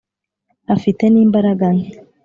afite nimbaraga nke